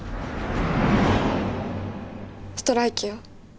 ストライキよ。